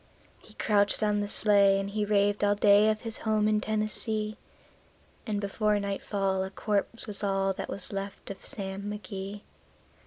He crouched on the sleigh, and he raved all day of his home in Tennessee; And before nightfall a corpse was all that was left of Sam McGee.